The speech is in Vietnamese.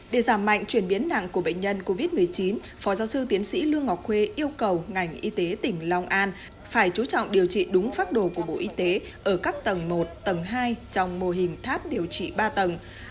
để giảm mạnh chuyển biến nặng của bệnh nhân covid một mươi chín phó giáo sư tiến sĩ lương ngọc khuê yêu cầu ngành y tế tỉnh long an phải chú trọng điều trị đúng phác đồ của bộ y tế ở các tầng một tầng hai trong mô hình tháp điều trị ba tầng